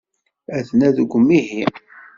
Aten-a deg umihi.